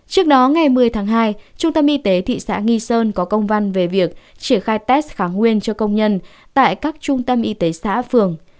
trước đó ngày một mươi tháng hai trung tâm y tế thị xã nghi sơn có công văn về việc triển khai test kháng nguyên cho công nhân tại các trung tâm y tế xã phường